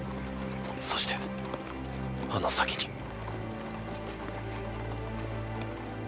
そしてあの先に。